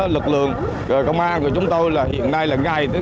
lực lượng công an của chúng tôi hiện nay là ngày